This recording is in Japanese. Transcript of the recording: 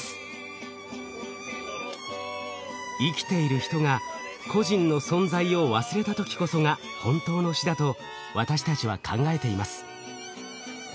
「生きている人が故人の存在を忘れたとき」こそが本当の死だと私たちは考えています。